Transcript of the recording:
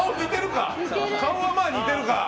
顔はまあ、似てるか。